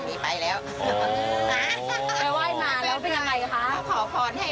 เพราะว่าวันนี้มันเป็นวันอะไร